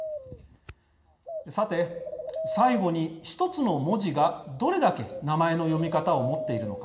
さて、最後に、１つの文字がどれだけ名前の読み方を持っているのか。